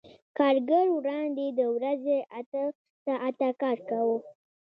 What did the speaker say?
کارګر وړاندې د ورځې اته ساعته کار کاوه